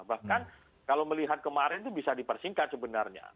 bahkan kalau melihat kemarin itu bisa dipersingkat sebenarnya